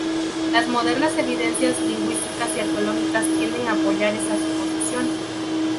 Las modernas evidencias lingüísticas y arqueológicas tienden a apoyar esa suposición.